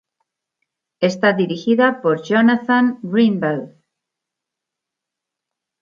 Está dirigida por Jonathan Greenblatt.